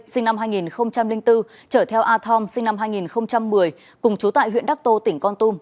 sinh năm hai nghìn bốn chở theo a thom sinh năm hai nghìn một mươi cùng chú tại huyện đắc tô tỉnh con tum